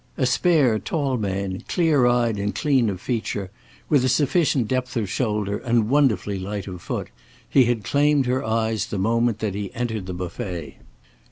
A spare, tall man, clear eyed and clean of feature, with a sufficient depth of shoulder and wonderfully light of foot, he had claimed her eyes the moment that he entered the buffet.